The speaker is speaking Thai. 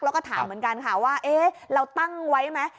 แล้วก็ถามเหมือนกันค่ะว่าเราตั้งไว้ไหม